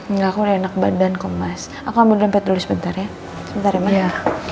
enggak aku udah enak badan kok mas aku ambil rempet dulu sebentar ya sebentar ya mas